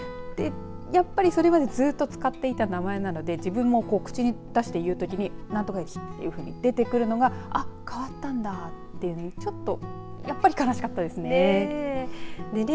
やっぱり、それはずっと使っていた名前なので自分もこう口に出して言うときに何とか駅って言うときに出てくるのが変わったんだってちょっとやっぱり悲しかったですね。ね。